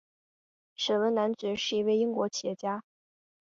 沈弼男爵是一位英国企业家。